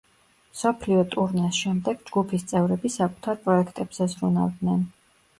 მსოფლიო ტურნეს შემდეგ ჯგუფის წევრები საკუთარ პროექტებზე ზრუნავდნენ.